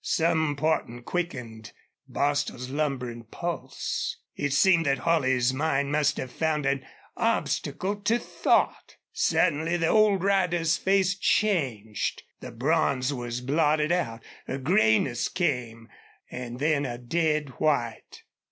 Some portent quickened Bostil's lumbering pulse. It seemed that Holley's mind must have found an obstacle to thought. Suddenly the old rider's face changed the bronze was blotted out a grayness came, and then a dead white.